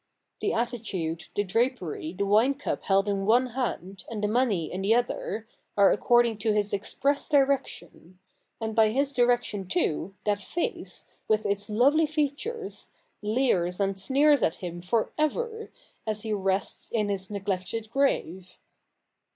The attitude, the drapery, the wine cup held in one hand, and the money in the other, are according to his express direction ; and by his direction, too, that face, with its lovely features, leers and sneers at him for ever, as he rests in his neglected grave.